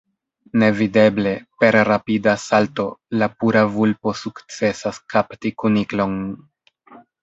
Nevideble, per rapida salto, la pura vulpo sukcesas kapti kuniklon.